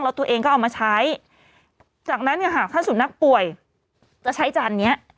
แล้วตัวเองก็เอามาใช้จากนั้นเนี่ยหากถ้าสุนัขป่วยจะใช้จานเนี้ย